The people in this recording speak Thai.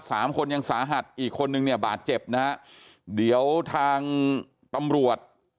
สามคนยังสาหัสอีกคนนึงเนี่ยบาดเจ็บนะฮะเดี๋ยวทางตำรวจ